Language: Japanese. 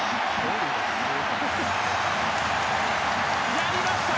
やりました！